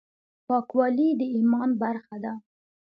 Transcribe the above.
پاکوالي د ايمان برخه ده.